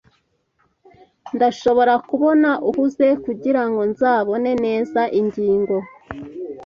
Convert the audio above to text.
Ndashobora kubona uhuze, kugirango nzabone neza ingingo